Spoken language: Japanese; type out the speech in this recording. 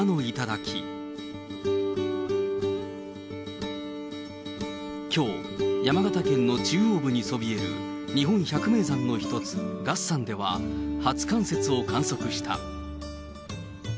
きょう、山形県の中央部にそびえる日本百名山の一つ、月山では、初冠雪を観測した。